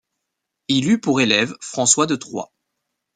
Il eut pour élève François de Troy.